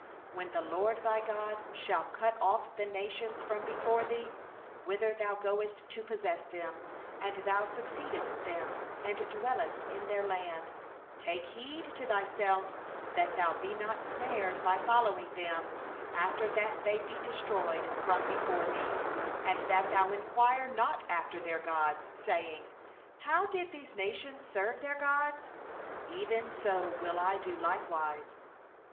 29When the LORD thy God shall cut off the nations from before thee, whither thou goest in to dispossess them, and thou dispossessest them, and dwellest in their land; 30take heed to thyself that thou be not ensnared to follow them, after that they are destroyed from before thee; and that thou inquire not after their gods, saying: 'How used these nations to serve their gods? even so will I do likewise.